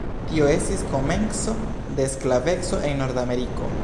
Tio estis komenco de sklaveco en Nordameriko.